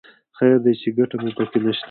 خیر دی چې ګټه مو په کې نه شته.